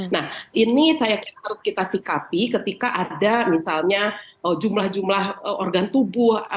nah ini saya kira harus kita sikapi ketika ada misalnya jumlah jumlah organ tubuh